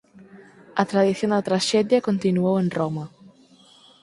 A tradición da traxedia continuou en Roma.